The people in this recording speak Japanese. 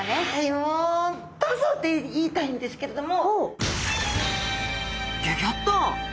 「もうどうぞ！」って言いたいんですけれども。